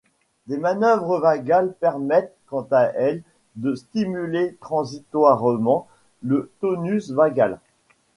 Des manœuvres vagales permettent, quant à elles, de stimuler transitoirement le tonus vagal.